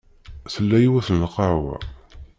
Tella yiwet n lqahwa.